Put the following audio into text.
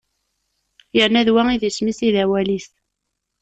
Yerna d wa i d isem-is i d awal-is.